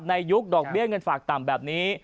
ยุคดอกเบี้ยเงินฝากต่ำแบบนี้